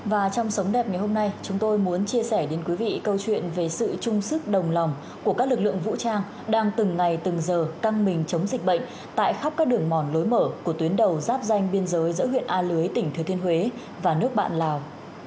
và trong sống đẹp ngày hôm nay chúng tôi muốn chia sẻ đến quý vị câu chuyện về sự trung sức đồng lòng của các lực lượng vũ trang đang từng ngày từng giờ căng mình chống dịch bệnh tại khắp các đường mòn lối mở của tuyến đầu giáp danh biên giới giữa huyện a lưới tỉnh thừa thiên huế và nước bạn lào